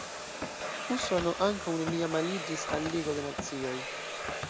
Usono ankaŭ neniam aliĝis al Ligo de Nacioj.